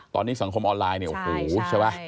ตอนนี้สังคมออนไลน์เนี่ยโอ้โหใช่ไหม